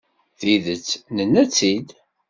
Tidet, nenna-tt-id.